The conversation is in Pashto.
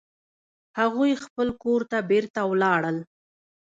هغوی خپل کور ته بیرته ولاړل